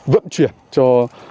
vận chuyển cho